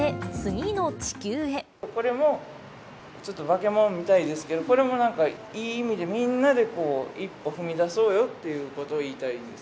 これも、ちょっとバケモンみたいですけど、これもなんか、いい意味で、みんなでこう、一歩踏み出そうよっていうことを言いたいんです。